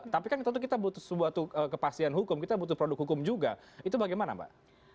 tapi kan tentu kita butuh sebuah kepastian hukum kita butuh produk hukum juga itu bagaimana mbak